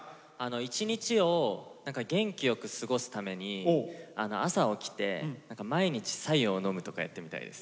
一日を元気よく過ごすために朝起きて毎日白湯を飲むとかやってみたいです。